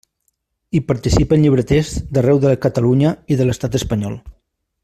Hi participen llibreters d'arreu de Catalunya i de l'Estat espanyol.